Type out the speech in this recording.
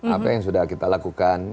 apa yang sudah kita lakukan